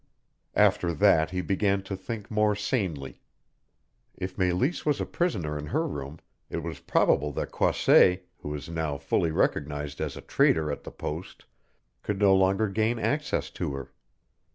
After that he began to think more sanely. If Meleese was a prisoner in her room it was probable that Croisset, who was now fully recognized as a traitor at the post, could no longer gain access to her.